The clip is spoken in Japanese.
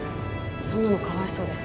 そんなのかわいそうです。